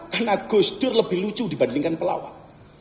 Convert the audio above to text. karena gus dur lebih lucu dibandingkan pelawak